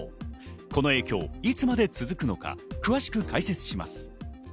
この影響いつまで続くのか、詳しく解説します。